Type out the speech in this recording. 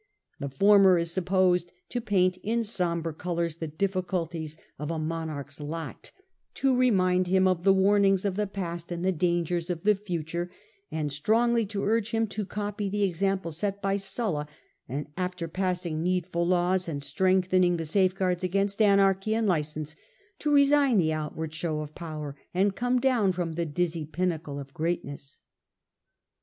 The former is sup Cassius, posed to paint in sombre colouis the difficulties of a 10 B.C. 31 The Earlier Empire. monarch's lot, to remind him of the warnings of the past and the dangers of the future, and strongly to urge him to copy the example set by Sulla, and after passing needful laws, and strengthening the safeguards against anarchy and license, to resign the outward show of power and come down from the dizzy pinnacle of greatness.